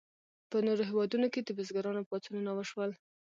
په نورو هیوادونو کې د بزګرانو پاڅونونه وشول.